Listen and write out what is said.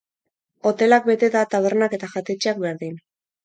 Hotelak beteta, tabernak eta jatetxeak berdin.